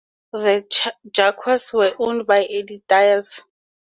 The Jaguars were owned by Eddie Diaz.